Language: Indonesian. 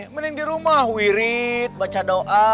mending di rumah wirid baca doa